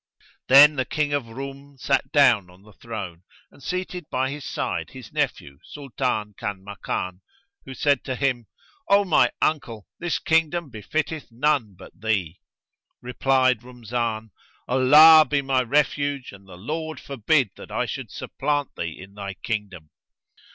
Then the King of Roum sat down on the throne and seated by his side his nephew Sultan Kanmakan, who said to him, "O my uncle, this Kingdom befitteth none but thee." Replied Rumzan, "Allah be my refuge and the Lord forbid that I should supplant thee in thy Kingdom!"